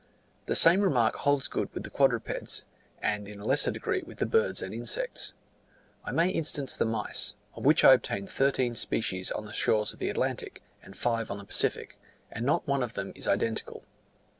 The same remark holds good with the quadrupeds, and in a lesser degree with the birds and insects. I may instance the mice, of which I obtained thirteen species on the shores of the Atlantic, and five on the Pacific, and not one of them is identical.